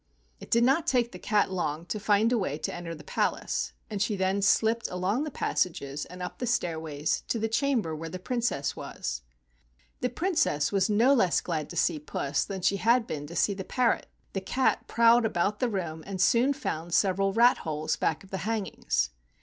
It did not take the cat long to find a way to enter the palace, and she then slipped along the passages and up the stairways to the cham¬ ber where the Princess was. The Princess was no less glad to see Puss than she had been to see the parrot. The cat prowled about the room and soon found several rat holes back of the hangings.